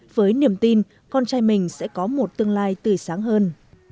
với niềm tin con trai mình sẽ có một tương lai tươi sáng hơn